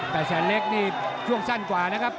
แต่แจกนี่ควบสร้านกว่านักครับ